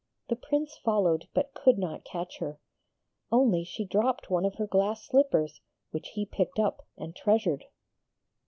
The Prince followed, but could not catch her. Only she dropped one of her glass slippers, which he picked up and treasured.